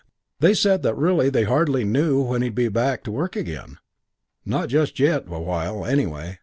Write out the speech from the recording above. They said that really they hardly knew when he'd be fit to get back to work again; not just yet awhile, anyway.